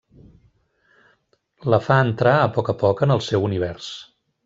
La fa entrar a poc a poc en el seu univers.